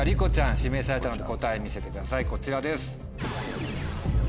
指名されたので答え見せてくださいこちらです。